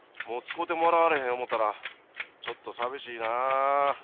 もうつこうてもらわれへんおもうたらちょっとさみしいな。